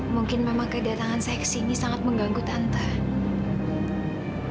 mungkin memang kedatangan saya ke sini sangat mengganggu tante